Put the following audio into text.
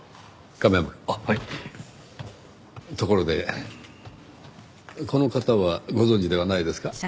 ところでこの方はご存じではないですか？